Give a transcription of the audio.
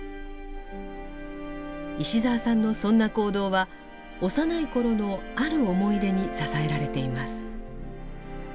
石澤さんのそんな行動は幼い頃のある思い出に支えられています。